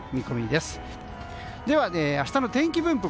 では明日の天気分布